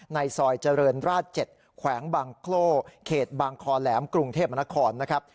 ในซอยเจริญราช๗แขวงบางโคร่เขตบางคอแหลมกรุงเทพมนครนะครับ